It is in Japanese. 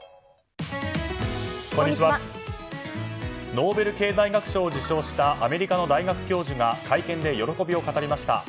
ノーベル経済学賞を受賞したアメリカの大学教授が会見で喜びを語りました。